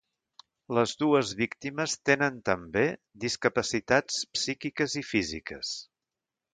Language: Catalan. Les dues víctimes tenen també discapacitats psíquiques i físiques.